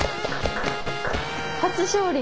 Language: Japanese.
初勝利。